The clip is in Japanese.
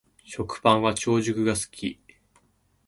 食パンは長熟が好き